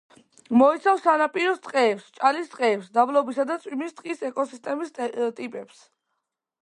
მოიცავს სანაპიროს ტყეებს, ჭალის ტყეებს, დაბლობისა და წვიმის ტყის ეკოსისტემის ტიპებს.